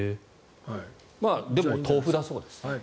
でも、豆腐だそうです。